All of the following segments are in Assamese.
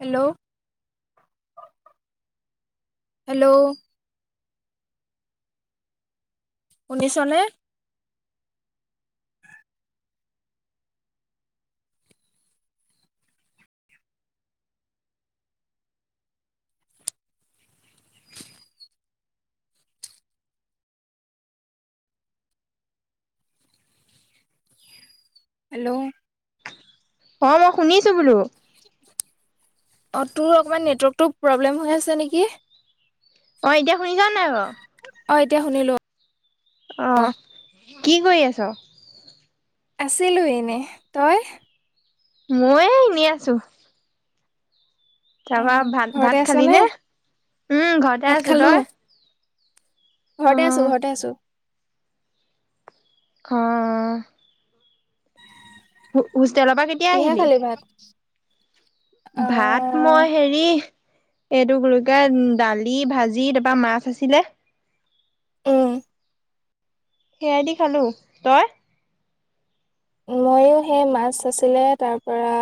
হেল্ল' হেল্ল' শুনিছ নে? হেল্ল! অহ মই শুনিছো বোলো। অহ তোৰ অকণমান নেটৱাৰ্কটো প্ৰব্লেম হৈ আছে নেকি। অহ এতিয়া শুনিছ নে নাই বাৰু? অহ এতিয়া শুনিলো অ। অহ কি কৰি আছ? আছিলো এনে তই? মই এ এনে আছো। অ তাৰপৰা, ভাত, ঘৰতে ভাত আছ খালি নে, উম, ঘৰতে ভাত আছো খালো। তই? অ ঘৰতে আছো, ঘৰতে আছো। অ'। হোষ্টেলৰ পৰা কেতিয়া কিহে আহিলি, খালি ভাত? ভাত আহ মই হেৰি হেৰি, এইটো কি বুলি কয়, দালি, ভাজি তাৰপৰা মাছ আছিলে। উম। সেয়াই দি খালোঁ, তই? মইয়ো সেই, মাছ আছিলে, তাৰপৰা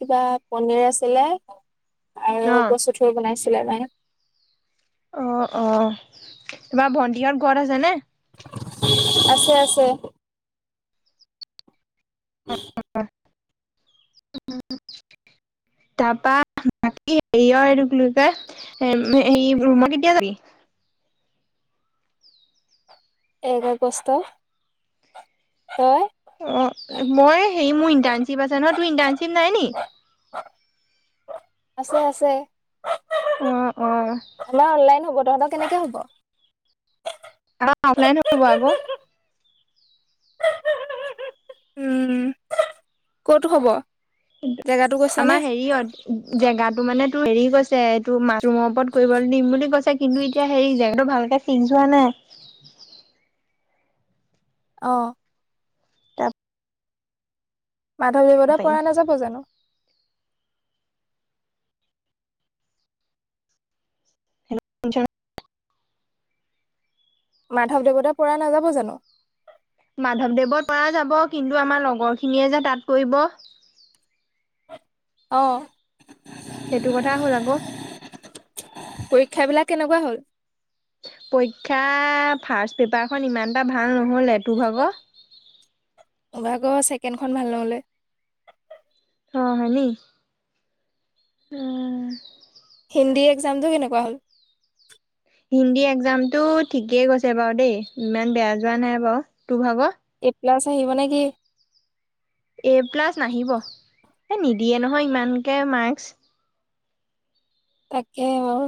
কিবা পনিৰ আছিলে, অ আৰু কচু থোৰ বনাইছিলে মাইয়ে। অ', অ', তোমাৰ ভণ্টিহত ঘৰত আছে নে? আছে, আছে। [unintelligible] তাৰপৰা, বাকী হেৰিয়ৰ এইটো কি বোলি কয় [unintelligible] হেৰি ৰুমত কেতিয়া যাবি? এক আগষ্ট, তই? অ', মই, হেৰি মোৰ ইণ্টাৰ্ণশ্বিপ আছে নহয়, তোৰ ইণ্টাৰ্ণশ্বিপ নাই নেকি? আছে, আছে। অ', অ'। আমাৰ অনলাইন হ'ব, তহঁতৰ কেনেকে হ'ব। আমাৰ অফলাইন হ'ব আকৌ। উম, ক'ত হব? জেগাতো কৈছানে? আমাৰ হেৰিয়ত। জেগাটো মানে, তোৰ হেৰি কৈছে, এইটো মাছৰুমৰ ওপৰত কৰি দিম বুলি কৈছে, কিন্তু এতিয়া হেৰি জেগাটো ভালকে ফিক্স হোৱা নাই। অ'। মাধৱদেৱতে পাৰিম পৰা নাযাব জানো। হেল্ল', শুনিছনে। মাধৱদেৱতে পৰা নাযাব জানো। মাধৱদেৱৰ পৰা যাব, কিন্তু আমাৰ লগৰখিনিয়ে যে তাত কৰিব। অ'। সেইটো কথা হ'ল আকৌ। পৰীক্ষা বিলাক কেনেকুৱা হ'ল? পৰীক্ষা ফাৰ্ষ্ট পেপাৰখন ইমান এটা ভাল নহ'লে, তোৰ ভাগৰ? মোৰ ভাগৰ ছেকেণ্ডখন ভাল নহ'লে। অ', হয় নি। উম। হিন্দী এক্সামটো কেনেকোৱা হ'ল? হিন্দী এক্সামটো ঠিকেই গৈছে বাৰু দেই, ইমান বেয়া যোৱা নাই বাৰু। তোৰ ভাগৰ? এ প্লাছ আহিব নে কি? এ প্লাছ নাহিব, এই নিদিয়ে নহয় ইমানকৈ মাৰ্কছ। তাকে বাৰু,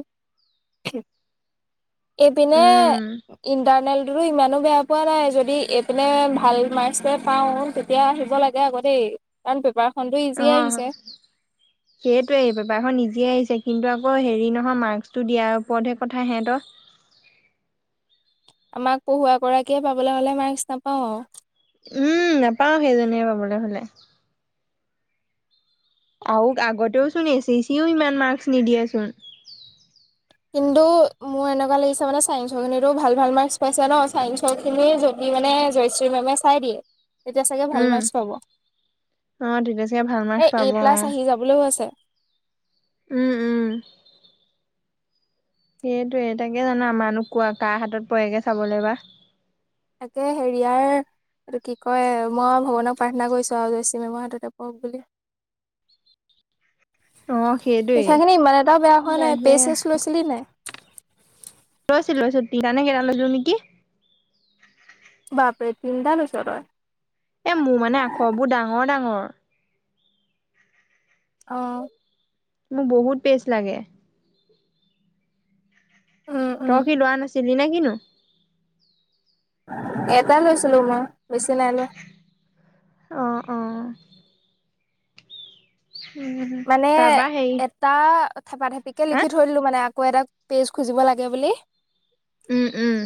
এইপিনে উম ইন্টাৰনেলটোতো ইমানো বেয়া পোৱা নাই, যদি এইপিনে ভাল মাৰ্ক্স পাওঁ তেতিয়া আহিব লাগে আকৌ দেই, কাৰণ, পেপাৰখনতো ইজি আহিছে। সেইটোৱেই, পেপাৰখন ইজি আহিছে, কিন্তু আকৌ হেৰি নহয়, মাৰ্কচটো দিয়াৰ ওপৰতহে কথা হেহ'তৰ? আমাক পঢ়ুৱা গৰাকীয়ে পাবলৈ হ'লে, মাৰ্কচ নাপাওঁ আৰু। উম, নাপাও সেইজনীয়ে পাবলে হ'লে। আৰু আগতেও চোন এছ এছ চিও ইমান মাৰ্কচ নিদিয়েচোন। কিন্তু মোৰ এনেকুৱা লাগিছে মানে চায়েন্সৰ খিনিতো ভাল ভাল মাৰ্কচ পাইছে ন, চায়েন্সৰ খিনি যদি মানে শ্ৰী মেমে চাই দিয়ে। তেতিয়া চাগে ভাল উম মাৰ্কচ পাব, অ তেতিয়া চাগে ভাল এ মাৰ্কচ পাব এ' অ প্লাছ আহি যাব। বুলিও আছে। উম, উম। সেইটোৱে তাকে জানা, মানু্হ কোৱা কাৰ হাতত পৰেগে চাবলৈ বা? তাকে হেৰিয়াৰ এইটো কি কয়, মই আৰু ভগৱানক প্ৰাৰ্থনা কৰিছোঁ আৰু জয়শ্ৰীমেমৰ হাততে পৰক বুলি। অ সেইটোৱেই লিখাখিনি ইমান এটা বেয়া হোৱা নাই। তাকে পেজ চেজ লৈছিলি নাই? লৈছোঁ লৈছোঁ, তিনিটা নে কেইটা লৈছিলো নেকি? বাপৰে তিনিটা লৈছ তই? এই মোৰ মানে আখবোৰ ডাঙৰ ডাঙৰ। অঁ। মোক বহুত পে'জ লাগে? উম উম তই কি লোৱা নাছিলি নে কি নো? এটা লৈছিলো মই, বেছি নাই লোৱা। অ', অ'। উম, মানে তাৰপা হেৰি এটা থেপাথেপিকে হা লিখি থৈ দিলো, মানে আকৌ এটা পে'জ খুজিব লাগে বুলি। উম, উম।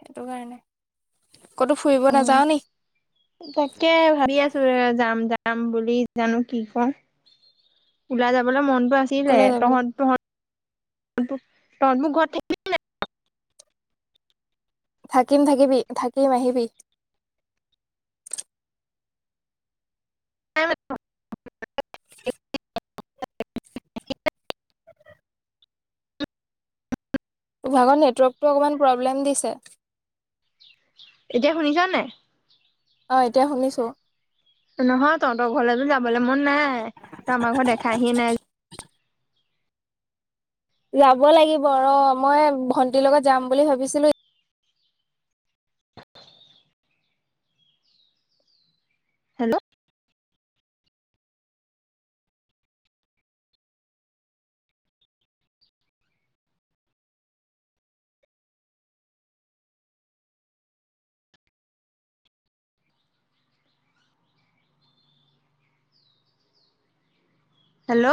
সেইটো কাৰণে, ক'তো ফুৰিব নাযাৱ নি? তোৰ এইয়া যাম যাম বুলি জানো কি কৰো, ওলাই যাবলে মনতো আছে। কিলে ক'লৈ যাবি? তহ'ত তহ'ত তহ'তবোৰ ঘৰত থাক থাকিম থাকিবি, থাকিম আহিবি। [unintelligible] তোৰ ভাগৰ নেটৱৰ্কটো অকণমান প্ৰব্লেম দিছে। এতিয়া শুনিছ নাই? অঁ এতিয়া শুনিছোঁ। নহয়, তহঁতৰ ঘৰলৈতো যাবলে মন নাই, তই আমাৰ ঘৰ দেখাইহিয়ে নাই। যাব লাগিব ৰ, মই ভন্টিৰ লগত যাম বুলি ভাবিছিলো। হেল্ল'? হেল্ল'?